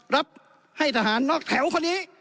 ให้ทหารนอกแถวคนนี้